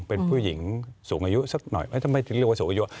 เป็นผู้หญิงสูงอายุสักหน่อยทำไมถึงเรียกว่าสูงอายุ